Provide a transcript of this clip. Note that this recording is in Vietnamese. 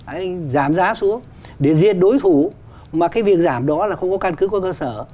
anh giảm giá xuống để riêng đối thủ mà cái việc giảm đó là không có căn cứ không có cơ sở